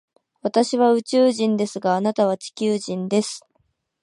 私は宇宙人ですが、あなたは地球人です。